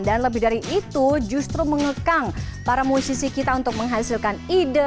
dan lebih dari itu justru mengekang para musisi kita untuk menghasilkan ide